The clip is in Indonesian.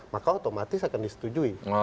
maka otomatis akan disetujui